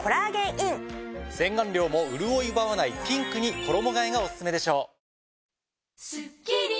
洗顔料もうるおい奪わないピンクに衣替えがオススメでしょう。